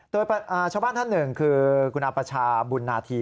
โดยชาวบ้านท่านหนึ่งคือคุณอาประชาบุญนาธี